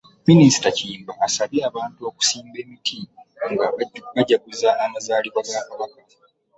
Minisita Kiyimba asabye abantu okusimba emiti nga bajaguza amazaalibwa ga Kabaka